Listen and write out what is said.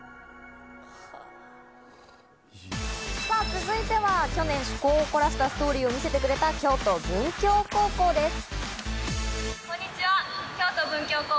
続いては去年、趣向を凝らしたストーリーを見せてくれた京都文教高校です。